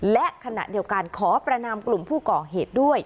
และขณะเดียวกันขอประนามกลุ่มผู้ก่อเหตุด้วย